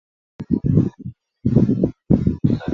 辖境相当今陕西省蓝田县一带。